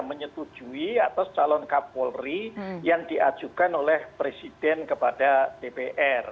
menyetujui atas calon kapolri yang diajukan oleh presiden kepada dpr